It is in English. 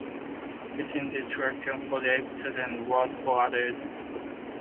Pittman directed four episodes and wrote four others.